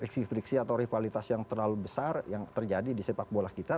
misalnya eee eksifriksi atau rivalitas yang terlalu besar yang terjadi di sepak bola kita